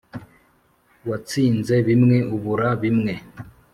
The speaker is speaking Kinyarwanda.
watsinze bimwe, ubura bimwe